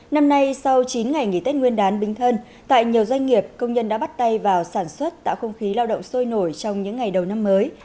năm nay sau chín ngày nghỉ tết nguyên đán bính thân tại nhiều doanh nghiệp công nhân đã bắt tay vào sản xuất tạo không khí lao động sôi nổi trong những ngày đầu năm mới